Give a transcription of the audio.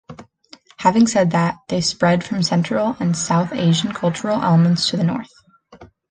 Having said that, they spread from Central and South Asian cultural elements to the north.